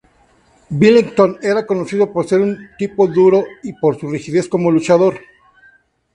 Billington era conocido por ser un tipo duro y por su rigidez como luchador.